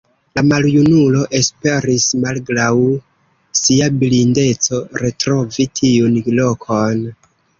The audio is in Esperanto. La maljunulo esperis malgraŭ sia blindeco retrovi tiun lokon.